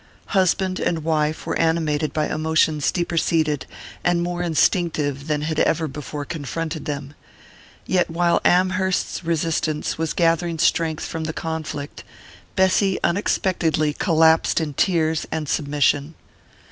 Husband and wife were animated by emotions deeper seated and more instinctive than had ever before confronted them; yet while Amherst's resistance was gathering strength from the conflict, Bessy unexpectedly collapsed in tears and submission.